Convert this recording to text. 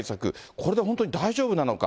これで本当に大丈夫なのか。